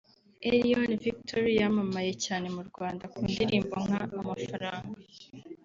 Elion Victory yamamaye cyane mu Rwanda ku ndirimbo nka “Amafaranga”